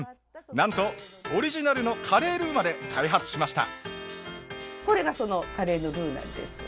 なんとオリジナルのカレールーまで開発しました。